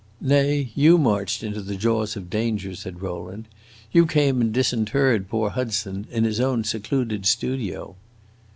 "Nay, you marched into the jaws of danger," said Rowland. "You came and disinterred poor Hudson in his own secluded studio."